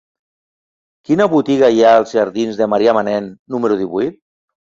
Quina botiga hi ha als jardins de Marià Manent número divuit?